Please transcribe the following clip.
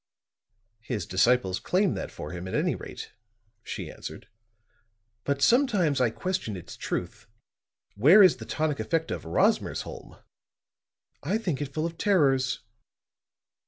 "His disciples claim that for him, at any rate," she answered. "But sometimes I question its truth. Where is the tonic effect of 'Rosmersholm?' I think it full of terrors."